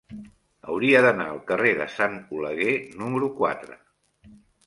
Hauria d'anar al carrer de Sant Oleguer número quatre.